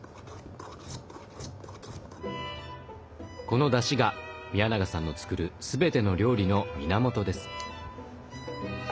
このだしが宮永さんの作る全ての料理の源です。